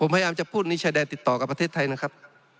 พยายามจะพูดนี้ชายแดนติดต่อกับประเทศไทยนะครับ